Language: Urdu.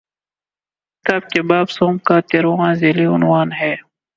اس کتاب کے باب سوم کا تیرھواں ذیلی عنوان ہے: موجودہ تکفیری سوچ کا سرغنہ سید قطب ہے۔